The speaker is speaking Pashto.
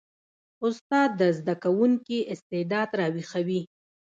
استاد د زده کوونکي استعداد راویښوي.